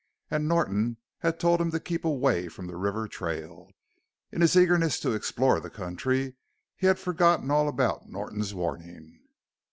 And Norton had told him to keep away from the river trail. In his eagerness to explore the country he had forgotten all about Norton's warning.